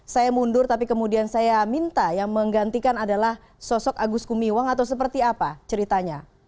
saya mundur tapi kemudian saya minta yang menggantikan adalah sosok agus gumiwang atau seperti apa ceritanya